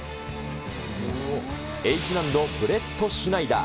Ｈ難度ブレットシュナイダー。